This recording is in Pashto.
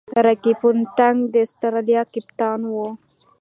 راكي پونټنګ د اسټرالیا کپتان وو.